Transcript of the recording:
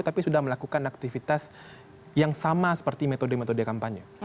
tapi sudah melakukan aktivitas yang sama seperti metode metode kampanye